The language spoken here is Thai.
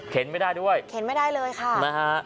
ไม่ได้ด้วยเข็นไม่ได้เลยค่ะนะฮะ